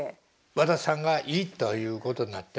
和田さんが「いい」ということになって。